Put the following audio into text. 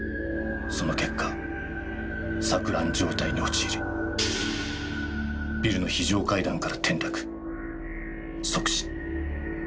その結果錯乱状態に陥りビルの非常階段から転落即死。